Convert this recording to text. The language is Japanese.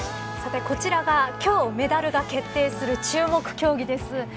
こちらは、今日メダルが決定する注目競技です。